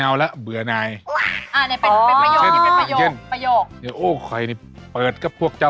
เออเรานี่จนนะเรานี่จนนะ